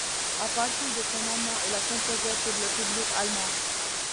À partir de ce moment, il a composé pour le public allemand.